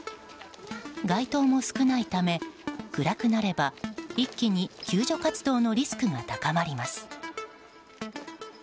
街灯も少ないため暗くなれば一気に救助活動のリスクが高まります。